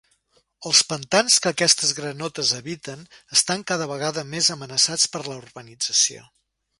Els pantans que aquestes granotes habiten estan cada vegada més amenaçats per la urbanització.